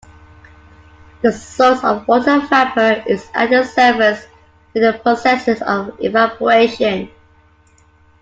The source of water vapor is at the surface through the processes of evaporation.